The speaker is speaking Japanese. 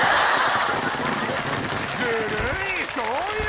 ずるい！